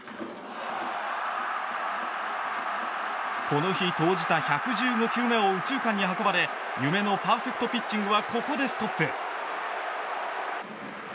この日、投じた１１５球目を右中間に運ばれ夢のパーフェクトピッチングはここでストップ。